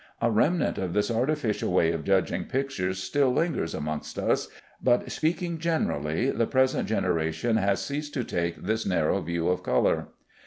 A remnant of this artificial way of judging pictures still lingers amongst us, but, speaking generally, the present generation has ceased to take this narrow view of color.